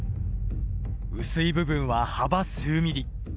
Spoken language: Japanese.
薄い部分は幅数ｍｍ。